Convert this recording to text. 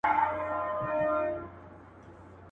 کرونا راغلې پر خلکو غم دی.